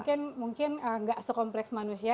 ya mungkin tidak sekompleks manusia